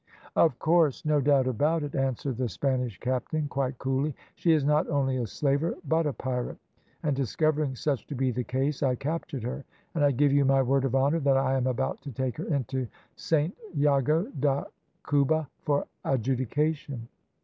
"`Of course! no doubt about it,' answered the Spanish captain, quite coolly, `she is not only a slaver but a pirate, and discovering such to be the case I captured her, and I give you my word of honour that I am about to take her into Saint Jago da Cuba for adjudication.'